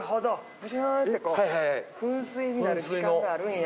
プシューってこう噴水になる時間があるんや。